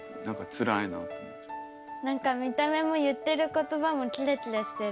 何か見た目も言ってる言葉もキラキラしてる。